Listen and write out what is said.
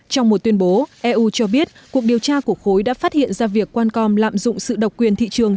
trong một tuyên bố eu cho biết cuộc điều tra của khối đã phát hiện ra việc wallcom lạm dụng sự độc quyền thị trường